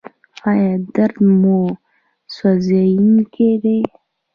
ایا درد مو سوځونکی دی؟